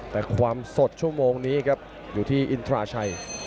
แต่ความสดชั่วโมงนี้ครับอยู่ที่อินทราชัย